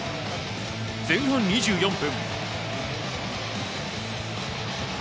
前半２４分。